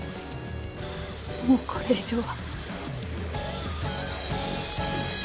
もうこれ以上は。